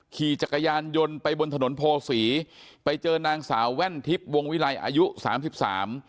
ขี่จักรยานยนต์ไปบนถนนโพศีไปเจอนางสาวแว่นทิพย์วงวิลัยอายุสามสิบสาม